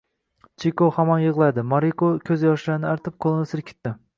Chiko hamon yig‘lardi. Moriko ko‘z yoshlarini artib qo‘lini silkitdi.